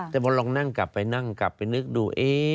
แต่พอลองนั่งกลับไปนิกดู